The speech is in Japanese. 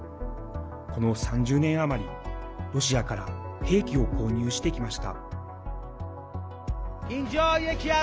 この３０年余り、ロシアから兵器を購入してきました。